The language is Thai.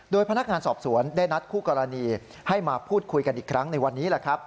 พนักงานสอบสวนได้นัดคู่กรณีให้มาพูดคุยกันอีกครั้งในวันนี้